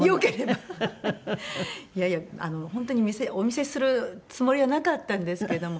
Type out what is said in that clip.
本当にお見せするつもりはなかったんですけども。